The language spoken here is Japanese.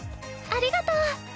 ありがとう。